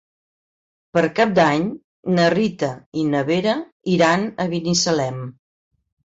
Per Cap d'Any na Rita i na Vera iran a Binissalem.